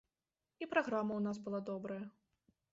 І праграма ў нас была добрая.